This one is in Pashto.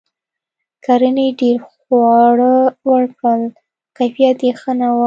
کرنې ډیر خواړه ورکړل؛ خو کیفیت یې ښه نه و.